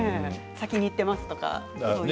先に行っていますとかね。